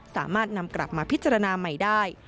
สามารถนำกลับมาพิจารณาใหม่ได้